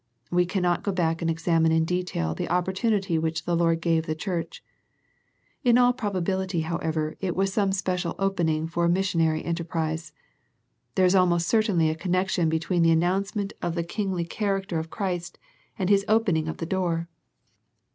We cannot go back and examine in detail the opportunity which the Lord gave the church. In all probability however it was some special opening for missionary enter prise. There is almost certainly a connection between the announcement of the Kingly char The Philadelphia Letter 167 acter of Christ and His opening of the door.